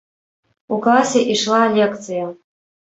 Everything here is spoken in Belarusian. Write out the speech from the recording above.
У класе ішла лекцыя.